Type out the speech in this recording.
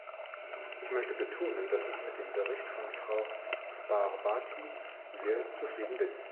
Ich möchte betonen, dass ich mit dem Bericht von Frau Sbarbati sehr zufrieden bin.